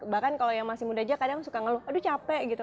bahkan kalau yang masih muda aja kadang suka ngeluh aduh capek gitu